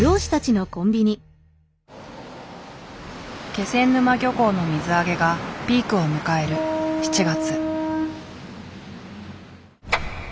気仙沼漁港の水揚げがピークを迎える７月。